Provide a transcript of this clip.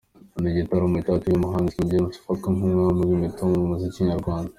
Ni igitaramo cyatumiwemo umuhanzi King James ufatwa nk’umwami w’imitoma mu muziki nyarwanda.